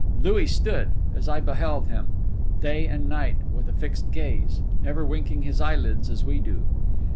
Louis stood, as I beheld him, day and night with a fixed gaze, never winking his eyelids as we do.